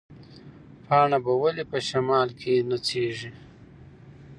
پاڼه به ولې په شمال کې نڅېږي؟